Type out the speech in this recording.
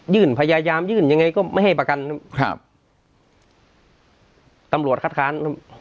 ยื่นพยายามยื่นยังไงก็ไม่ให้ประกันครับครับตำลวดคัดค้าน